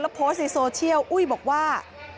โพสต์ในโซเชียลอุ้ยบอกว่า